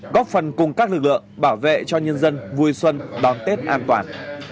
góp phần cùng các lực lượng bảo vệ cho nhân dân vui xuân đón tết an toàn